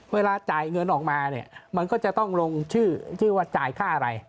เวลาจ่ายเงินออกมาเนี่ยมันก็จะต้องลงชื่อชื่อว่าจ่ายค่าอะไร